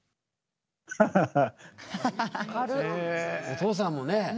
お父さんもね